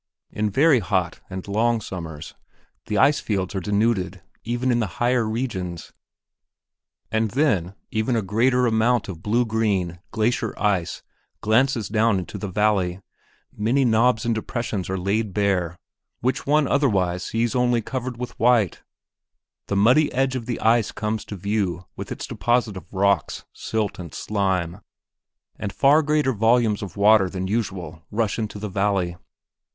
In very hot and long summers, the ice fields are denuded even in the higher regions, and then a much greater amount of blue green glacier ice glances down into the valley, many knobs and depressions are laid bare which one otherwise sees only covered with white, the muddy edge of the ice comes to view with its deposit of rocks, silt, and slime, and far greater volumes of water than usual rush into the valley.